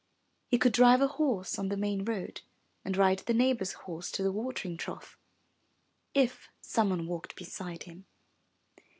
He could drive a horse on the main road and ride the neighbor's horse to the watering trough, if someone walked beside him.